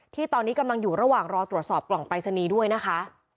ที่ตอนนี้กำลังอยู่ระหว่างรอตรวจสอบกล่องปรายศนีย์ด้วยนะคะ